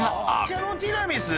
抹茶のティラミス？